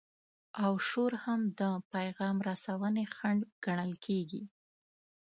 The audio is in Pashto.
او شور هم د پیغام رسونې خنډ ګڼل کیږي.